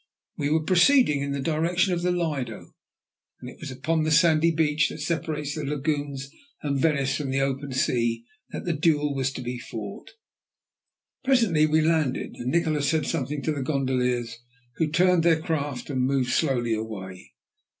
We were proceeding in the direction of the Lido, and it was upon the sandy beach that separates the lagoons and Venice from the open sea that the duel was to be fought. Presently we landed, and Nikola said something to the gondoliers, who turned their craft and moved slowly away.